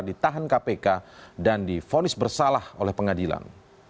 ditahan kpk dan difonis bersalah oleh pengadilan